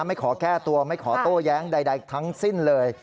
ไม่ขอแก้ตัวไม่ขอโต้แย้งใดทั้งสิ้นเลย